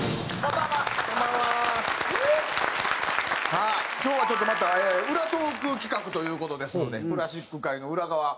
さあ今日はちょっとまた裏トーク企画という事ですのでクラシック界の裏側。